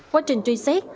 quá trình truy xét